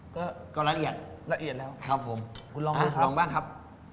ก็รายละเอียดรายละเอียดแล้วครับผมคุณลองด้วยครับลองบ้างครับ